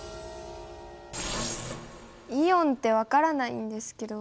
イオンって分からないんですけど。